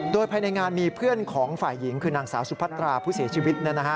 โดยภายในงานมีเพื่อนของฝ่ายหญิงคือนางสาวสุพัตราผู้เสียชีวิต